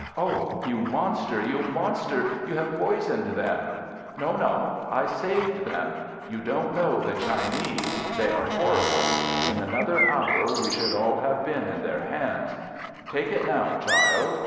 "Oh, you monster! You monster! You have poisoned them!" "No, no! I saved them. You don't know the Chinese. They are horrible. In another hour we should all have been in their hands. Take it now, child."